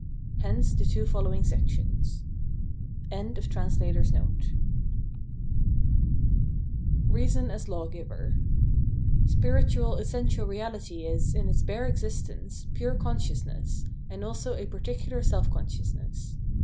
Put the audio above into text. Hence the two following sections.] 410 Reason as Lawgiver Spiritual essential reality is, in its bare existence, pure consciousness, and also a particular self con sciousness.